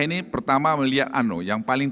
ini pertama melihat ano yang paling